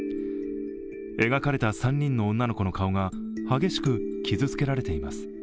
描かれた３人の女の子の顔が激しく傷つけられています。